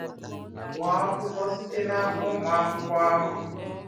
gụọ akwụkwọ site n'aka ụmụakwụkwọ ahụ